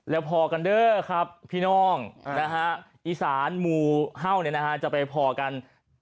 แล้วพอกันเด้อครับพี่น้องอีสานหมู่เห่าจะไปพอกัน